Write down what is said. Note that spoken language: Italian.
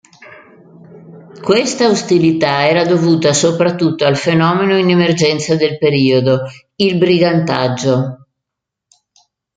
Questa ostilità era dovuta soprattutto al fenomeno in emergenza del periodo, il "brigantaggio".